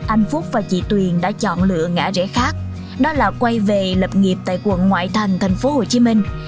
anh phúc và chị tuyền đã chọn lựa ngã rễ khác đó là quay về lập nghiệp tại quận ngoại thành thành phố hồ chí minh